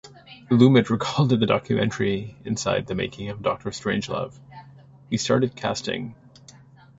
Lumet recalled in the documentary "Inside the Making of Doctor Strangelove": "We started casting.